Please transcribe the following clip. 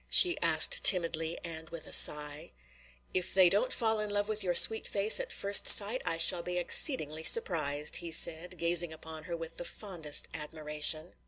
she asked timidly and with a sigh. "If they don't fall in love with your sweet face at first sight I shall be exceedingly surprised," he said, gazing upon her with the fondest admiration.